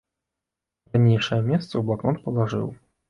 На ранейшае месца ў блакнот палажыў.